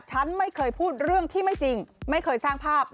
ฉันไม่เคยพูดเรื่องที่ไม่จริงไม่เคยสร้างภาพ